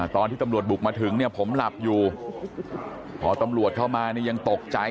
ตอนที่ตำรวจบุกมาถึงเนี่ยผมหลับอยู่พอตำรวจเข้ามานี่ยังตกใจ